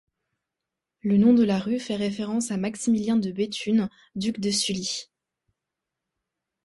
Le nom de la rue fait référence à Maximilien de Béthune, duc de Sully.